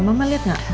mama liat gak